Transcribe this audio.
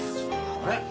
あれ？